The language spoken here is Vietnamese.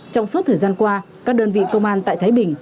trong suốt thời gian qua các đơn vị công an tại thái bình